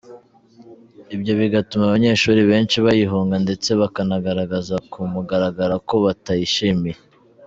Ibyo bigatuma abanyeshuri benshi bayihunga ndetse bakanagaragaza ku mugaragaro ko batayishimiye.